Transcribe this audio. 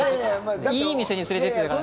いい店に連れてってください。